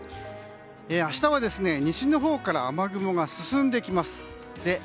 明日は西のほうから雨雲が進んできます。